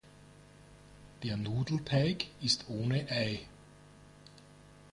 Der Nudelteig ist ohne Ei.